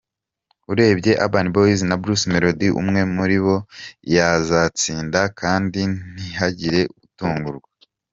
Urebye Urban Boyz na Bruce Melody, umwe muri bo yazatsinda kandi ntihagire utungurwa.